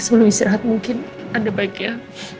sebelum istirahat mungkin ada bagian